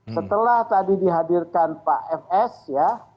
setelah tadi dihadirkan pak fs ya